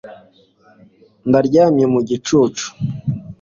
ndaryamye mu gicucu